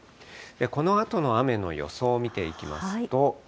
このあとの雨の予想を見ていきますと。